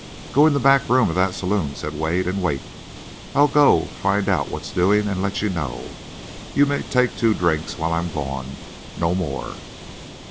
"Go in the back room of that saloon," said Wade, "and wait. I'll go find out what's doing and let you know. You may take two drinks while I am gone—no more."